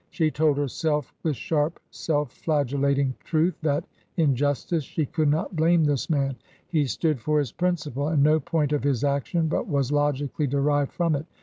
She told herself with sharp self flagellating truth that — in justice — she could not blame this man; he stood for his principle, and no point of his action but was logically derived from it.